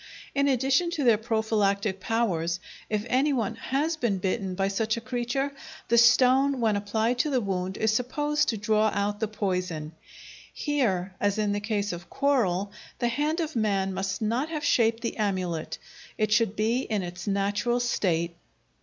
In addition to their prophylactic powers, if any one has been bitten by such a creature, the stone, when applied to the wound, is supposed to draw out the poison. Here, as in the case of coral, the hand of man must not have shaped the amulet; it should be in its natural state.